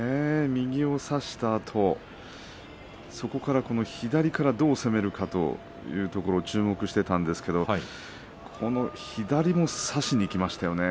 右を差したあとそこから、左からどう攻めるのか注目していたんですが左も差しにいきましたね。